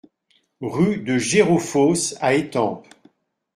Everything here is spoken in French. Rue de Gérofosse à Étampes